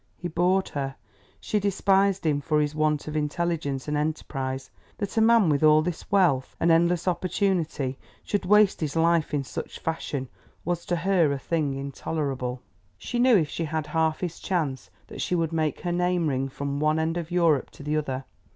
He bored her, she despised him for his want of intelligence and enterprise. That a man with all this wealth and endless opportunity should waste his life in such fashion was to her a thing intolerable. She knew if she had half his chance, that she would make her name ring from one end of Europe to the other.